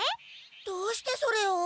どうしてそれを？